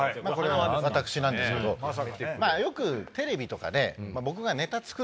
私なんですけどよくテレビとかで。